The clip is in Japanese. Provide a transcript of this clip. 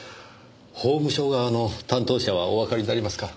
法務省側の担当者はおわかりになりますか？